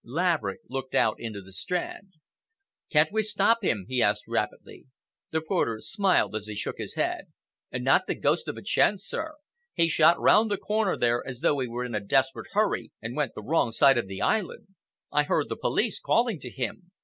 Laverick looked out into the Strand. "Can't we stop him?" he asked rapidly. The porter smiled as he shook his head. "Not the ghost of a chance, sir. He shot round the corner there as though he were in a desperate hurry, and went the wrong side of the island. I heard the police calling to him.